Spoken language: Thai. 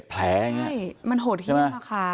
ใช่มันโหดขี้มากค่ะ